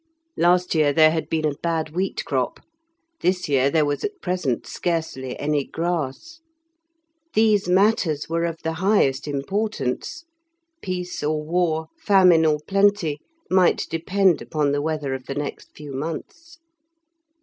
Last year there had been a bad wheat crop; this year there was at present scarcely any grass. These matters were of the highest importance; peace or war, famine or plenty, might depend upon the weather of the next few months.